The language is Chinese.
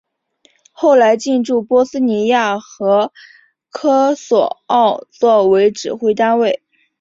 后来进驻波斯尼亚和科索沃作为指挥单位。